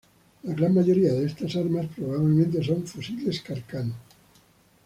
La gran mayoría de estas armas probablemente son fusiles Carcano.